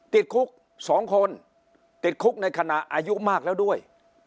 ติดคุก๒คนติดคุกในขณะอายุมากแล้วด้วย